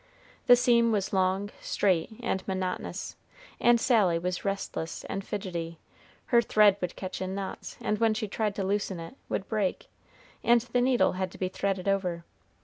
The seam was long, straight, and monotonous, and Sally was restless and fidgety; her thread would catch in knots, and when she tried to loosen it, would break, and the needle had to be threaded over.